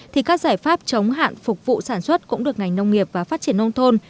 thì các giải pháp chống hạn phục vụ sản xuất cũng được ngành nông nghiệp và phát triển nông thôn